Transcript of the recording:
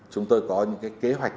chúng tôi có những cái kế hoạch